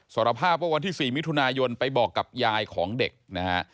สารภาพว่าวันที่๔มิถุนายนไปบอกกับยายของเด็กนะฮะ